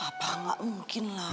apa gak mungkin lah